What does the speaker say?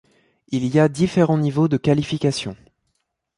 Il y a différents niveaux de qualification.